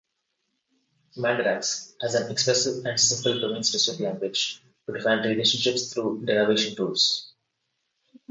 Mandarax has an expressive and simple domain-specific language to define relationships through derivation rules.